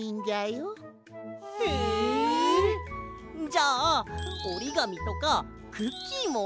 じゃあおりがみとかクッキーも？